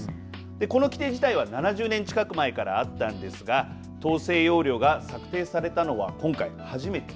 この規定自体は７０年近く前からあったんですが統制要領が策定されたのは今回が初めて。